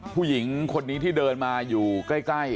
ผู้หญิงคนนี้ที่เดินมาอยู่ใกล้